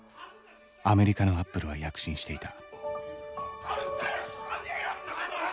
アメリカのアップルは躍進していた分かるかよ！